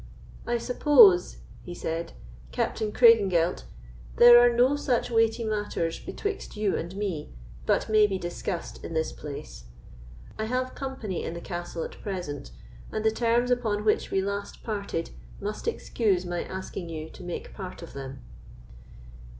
"I suppose," he said, "Captain Craigengelt, there are no such weighty matters betwixt you and me, but may be discussed in this place. I have company in the castle at present, and the terms upon which we last parted must excuse my asking you to make part of them."